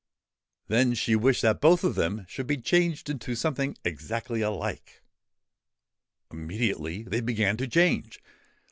Then she wished that both of them should be changed into something exactly alike ! Immediately they began to change.